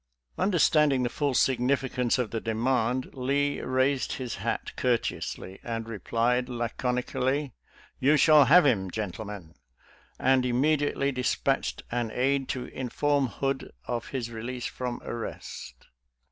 Understanding the full significance of the demand, Lee raised his hat courteously, and replied laconically, "You shall have him, gentlemen," and immediately dispatched an aid to inform Hood of his release from arrest.